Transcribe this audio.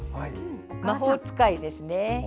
魔法使いですね。